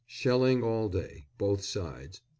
_ Shelling all day, both sides.